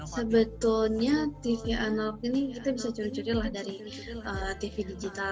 sebetulnya tv analog ini kita bisa curi curi lah dari tv digital